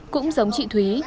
cũng giống chị thúy